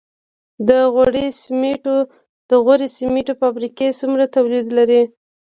د غوري سمنټو فابریکه څومره تولید لري؟